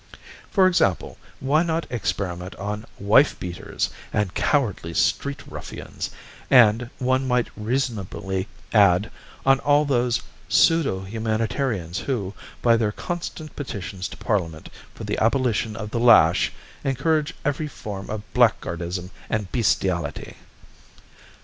"For example, why not experiment on wife beaters and cowardly street ruffians, and, one might reasonably add, on all those pseudo humanitarians who, by their constant petitions to Parliament for the abolition of the lash, encourage every form of blackguardism and bestiality?"